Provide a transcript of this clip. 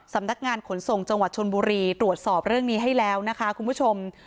สำนักงานขนส่งจังหวัดชนบุรีตรวจสอบเรื่องนี้ให้แล้วนะคะคุณผู้ชม